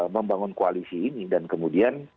membangun koalisi ini dan kemudian